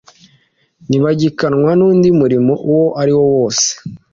ntibangikanwa n’ undi murimo uwo ari wo wose